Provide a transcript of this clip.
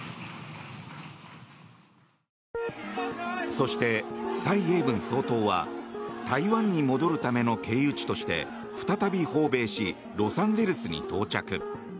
そして、蔡英文総統は台湾に戻るための経由地として再び訪米しロサンゼルスに到着。